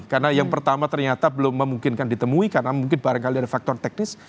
karena yang pertama ternyata belum memungkinkan ditemui karena mungkin barangkali ada faktor teknis